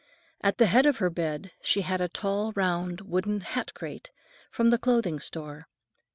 At the head of her bed she had a tall round wooden hat crate, from the clothing store.